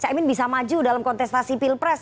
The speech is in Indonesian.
cak imin bisa maju dalam kontestasi pilpres